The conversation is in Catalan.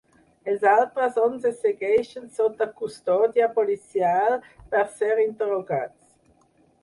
Els altres onze segueixen sota custòdia policial per ser interrogats.